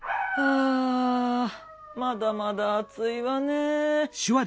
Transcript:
あまだまだ暑いわね。